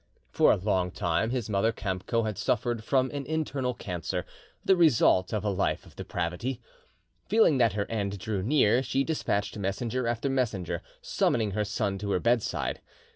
For a long time his mother Kamco had suffered from an internal cancer, the result of a life of depravity. Feeling that her end drew near, she despatched messenger after messenger, summoning her son to her bedside.